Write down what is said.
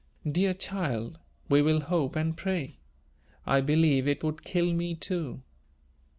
"Dear child, we will hope and pray. I believe it would kill me too."